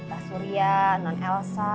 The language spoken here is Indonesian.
pak surya nan elsa